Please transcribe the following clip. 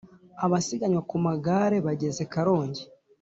Abasiganywa kumagare bageze karongi